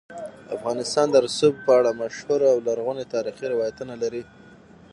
افغانستان د رسوب په اړه مشهور او لرغوني تاریخی روایتونه لري.